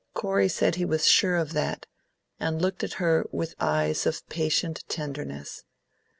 Corey said he was sure of that, and looked at her with eyes of patient tenderness.